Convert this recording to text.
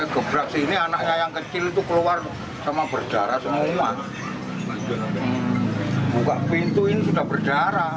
gebrak sini anaknya yang kecil itu keluar sama berdarah semua buka pintu ini sudah berdarah